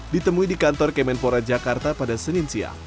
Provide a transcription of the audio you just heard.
ditemui di kantor kemenpora jakarta pada senin siang